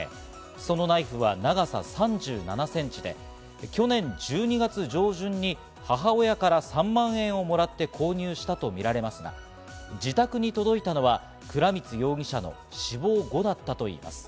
そのナイフは長さ３７センチで、去年１２月上旬に母親から３万円をもらって購入したとみられますが、自宅に届いたのは倉光容疑者の死亡後だったということです。